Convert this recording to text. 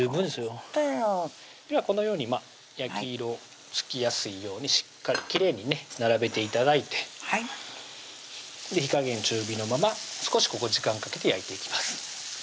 ほんとにではこのように焼き色つきやすいようにしっかりきれいにね並べて頂いて火加減中火のまま少しここ時間かけて焼いていきます